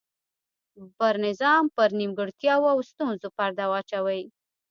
پر نظام پر نیمګړتیاوو او ستونزو پرده واچوي.